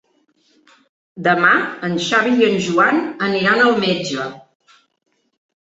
Demà en Xavi i en Joan aniran al metge.